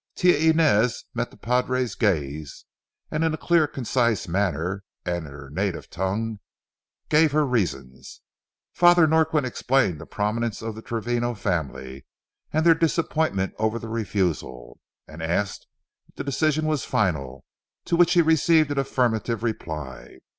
Tia Inez met the padre's gaze, and in a clear, concise manner, and in her native tongue, gave her reasons. Father Norquin explained the prominence of the Travino family and their disappointment over the refusal, and asked if the decision was final, to which he received an affirmative reply.